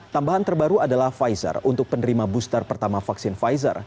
tambahan terbaru adalah pfizer untuk penerima booster pertama vaksin pfizer